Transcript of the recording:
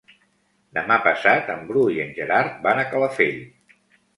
Demà passat en Bru i en Gerard van a Calafell.